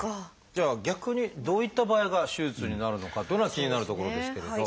じゃあ逆にどういった場合が手術になるのかっていうのが気になるところですけれど。